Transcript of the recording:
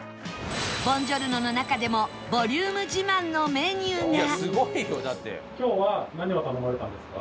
ボンジョルノの中でもボリューム自慢のメニューが